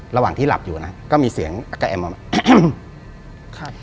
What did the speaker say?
ระหว่างที่หลับอยู่ก็มีเสียงแกะแอมออกมา